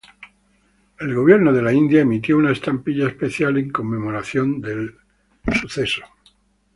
El Gobierno de la India emitió una estampilla especial en conmemoración del evento.